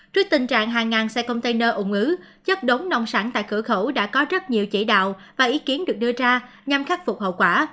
trước tình trạng hàng ngàn xe container ủng ứ chất đống nông sản tại cửa khẩu đã có rất nhiều chỉ đạo và ý kiến được đưa ra nhằm khắc phục hậu quả